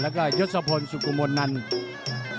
แล้วก็ยศพลสุกุมลนันทร์